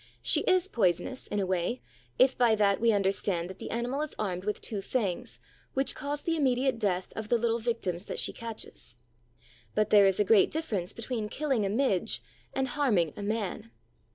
She is poisonous, in a way, if by that we understand that the animal is armed with two fangs which cause the immediate death of the little victims that she catches; but there is a great difference between killing a Midge and harming a Man.